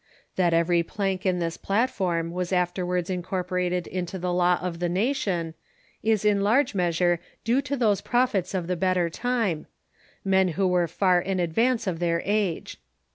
That every plank in this platform Avas afterwards incorporated into the law of the nation, is in large measure due to those prophets of the Better Time — men who were far in advance of their age.